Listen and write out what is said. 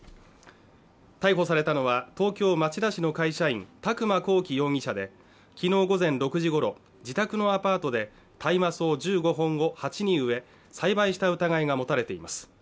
逮捕されたのは東京・町田市の会社員宅間孔貴容疑者で昨日午前６時ごろ自宅のアパートで大麻草１５本を鉢に植え栽培した疑いが持たれています